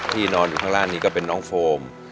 นอนอยู่ข้างล่างนี้ก็เป็นน้องโฟม